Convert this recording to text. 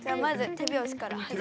手拍子から。